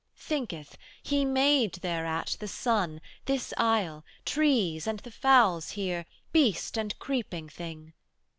'Thinketh, He made thereat the sun, this isle, Trees and the fowls here, beast and creeping thing.